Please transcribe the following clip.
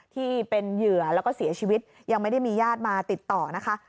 ที่เป็นเหยื่อแล้วก็เสียชีวิตยังไม่ได้มีญาติมาติดต่อนะคะ